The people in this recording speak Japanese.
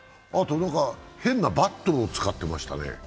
変なバットを使ってましたね。